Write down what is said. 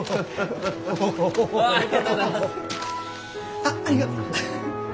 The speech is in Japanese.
あっありがとう！